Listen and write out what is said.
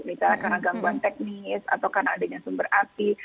misalnya karena gangguan teknis atau karena adanya sumber api